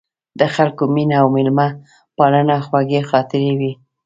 د خلکو مینه او میلمه پالنه خوږې خاطرې وې.